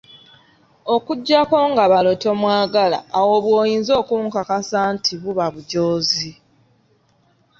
Okuggyako nga balo tomwagala awo bw'oyinza okunkakasa nti buba bujoozi.